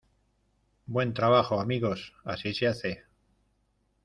Buen trabajo, amigos. Así se hace .